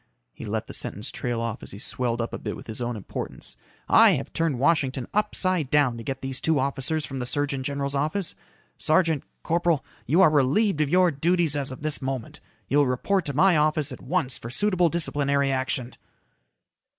He let the sentence trail off as he swelled up a bit with his own importance. "I have turned Washington upside down to get these two officers from the surgeon general's office. Sergeant. Corporal. You are relieved of your duties as of this moment. You will report to my office at once for suitable disciplinary action."